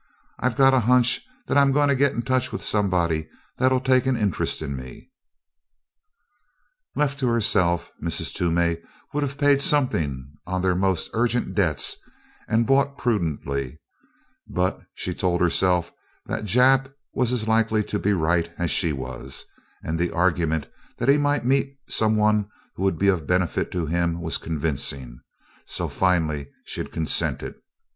I gotta hunch that I'm going to get in touch with somebody that'll take an interest in me." Left to herself, Mrs. Toomey would have paid something on their most urgent debts and bought prudently, but she told herself that Jap was as likely to be right as she was, and the argument that he might meet some one who would be of benefit to him was convincing; so finally she had consented.